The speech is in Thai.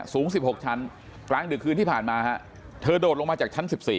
สูง๑๖ชั้นกลางดึกคืนที่ผ่านมาฮะเธอโดดลงมาจากชั้น๑๔